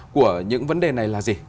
của những vấn đề này là gì